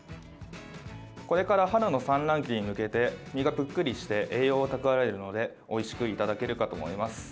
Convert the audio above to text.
これから春の産卵期に向けて身がぷっくりして栄養を蓄えるのでおいしくいただけるかと思います。